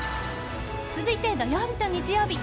続いて土曜日と日曜日。